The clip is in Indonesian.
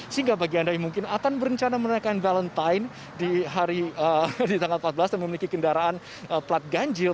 sehingga bagi anda yang mungkin akan berencana menaikkan valentine di tanggal empat belas dan memiliki kendaraan plat ganjil